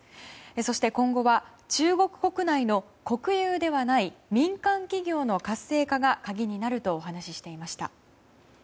そして、今後は中国国内の国有ではない民間企業の活性化が鍵になるとお話ししていました。